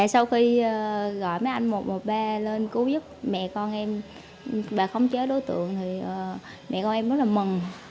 sau khi gọi mấy anh mùa mùa ba lên cứu giúp mẹ con em bà khống chế đối tượng thì mẹ con em rất là mừng